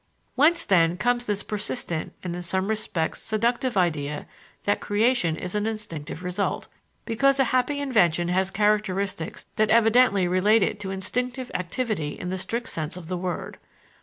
Whence, then, comes this persistent and in some respects seductive idea that creation is an instinctive result? Because a happy invention has characteristics that evidently relate it to instinctive activity in the strict sense of the word.